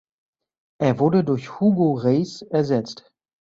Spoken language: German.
Er wurde durch Hugo Race ersetzt.